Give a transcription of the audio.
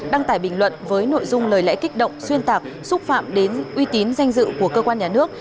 đăng tải bình luận với nội dung lời lẽ kích động xuyên tạc xúc phạm đến uy tín danh dự của cơ quan nhà nước